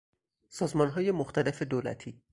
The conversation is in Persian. سازمانهای مختلف دولتی